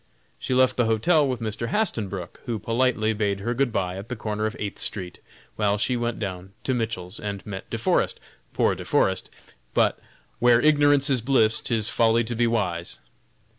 She left the hotel with Mr. Hastenbrook, who politely bade her good bye at the corner of Eighth street, while she went down to Mitchell's and met De Forest, poor De Forest! but, "where ignorance is bliss, 'tis folly to be wise."